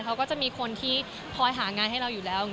เขาก็จะมีคนที่คอยหางานให้เราอยู่แล้ว